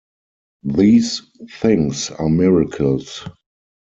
These things are miracles.